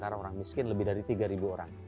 karena orang miskin lebih dari tiga ribu orang